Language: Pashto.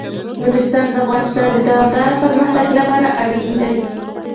نورستان د افغانستان د دوامداره پرمختګ لپاره اړین دي.